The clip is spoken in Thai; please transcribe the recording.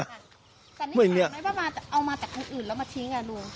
เอามาจากคนอื่นแล้วมาทิ้งอ่ะลุง